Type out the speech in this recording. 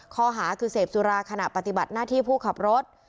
ข้อหาคือเสพสุราขณะปฏิบัติหน้าที่ผู้ขับรถ